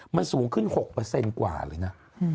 มันสูงขึ้น๖กว่าเลยนะ